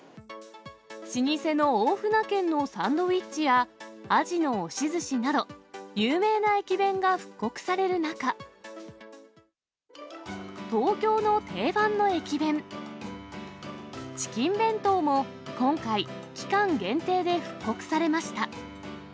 老舗の大船軒のサンドウィッチや、鯵の押寿しなど、有名な駅弁が復刻される中、東京の定番の駅弁、チキン弁当も、今回、期間限定で復刻されました。